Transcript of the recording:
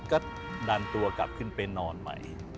ก็ดันตัวกลับขึ้นไปนอนใหม่